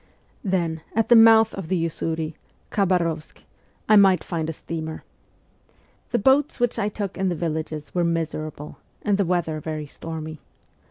Then, at the mouth of the Usuri (Khabarovsk) I might find a steamer. The boats which I took in the villages were miserable, and the weather very stormy.